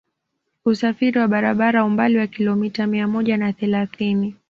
Usafiri wa barabara umbali wa kilomita mia moja na thelathini